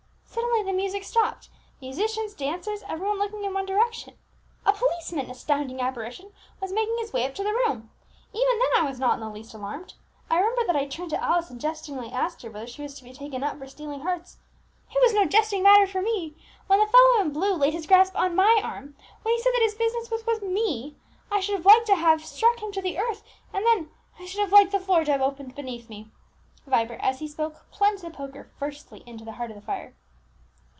Suddenly the music stopped, musicians, dancers, every one looking in one direction. A policeman astounding apparition! was making his way up the room! Even then I was not in the least alarmed. I remember that I turned to Alice, and jestingly asked her whether she was to be taken up for stealing hearts! It was no jesting matter for me! When the fellow in blue laid his grasp on my arm, when he said that his business was with me, I should have liked to have struck him to the earth; and then I should have liked the floor to have opened beneath me!" Vibert, as he spoke, plunged the poker fiercely into the heart of the fire.